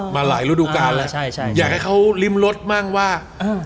มาหลายฤดูการแล้วใช่ใช่อยากให้เขาริมรสมั่งว่าเออ